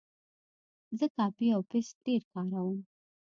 زه کاپي او پیسټ ډېر کاروم.